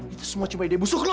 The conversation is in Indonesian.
itu semua cuma ide busuk lu